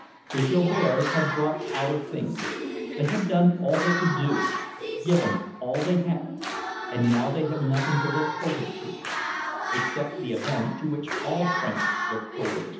The Jouberts had dropped out of things. They had done all they could do, given all they had, and now they had nothing to look forward to, except the event to which all France looked forward.